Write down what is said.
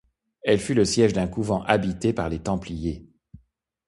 Elle fut le siège d'un couvent habité par les Templiers.